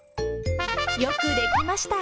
よくできました。